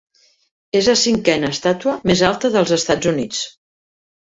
És la cinquena estàtua més alta dels Estats Units.